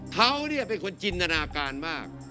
เขาเป็นคนจินตนาการมาก